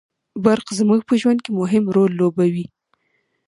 برق زموږ په ژوند کي مهم رول لوبوي